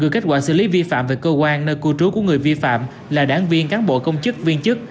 kết quả xử lý vi phạm về cơ quan nơi cư trú của người vi phạm là đảng viên cán bộ công chức viên chức